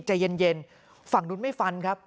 ใจเย็นฝั่งนู้นไม่ฟันครับ